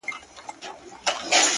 هغې د ژوند د ماهيت خبره پټه ساتل;